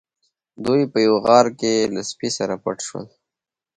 دوی په یوه غار کې له سپي سره پټ شول.